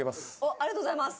ありがとうございます。